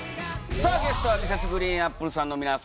ゲストはＭｒｓ．ＧＲＥＥＮＡＰＰＬＥさんの皆さんです。